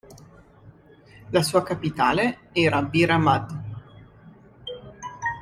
La sua capitale era Bir Ahmad.